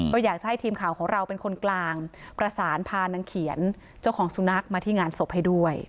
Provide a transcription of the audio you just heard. ก็อยากจะให้ทีมข่าวของเราเป็นคนกลางประสานพานางเขียนเจ้าของสุนัขมาที่งานศพให้ด้วย